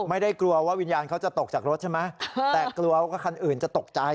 ไม่ได้กลัวว่าวิญญาณเขาจะตกจากรถใช่ไหมแต่กลัวว่าคันอื่นจะตกใจ